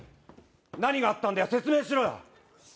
何があったんだよ説明しろよ